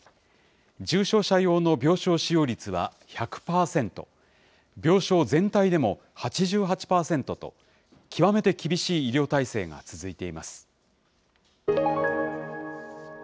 重症者用の病床使用率は１００％、病床全体でも８８％と、極めて厳しい医療体制が続いています。